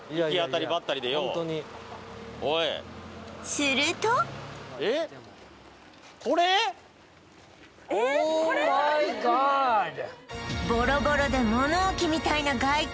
するとボロボロで物置みたいな外観